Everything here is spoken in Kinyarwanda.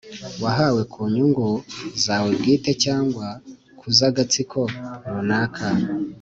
wahawe ku nyungu zawe bwite cyangwa ku z'agatsiko runaka.